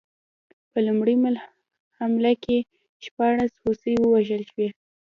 په لومړۍ حمله کې شپاړس هوسۍ ووژل شوې.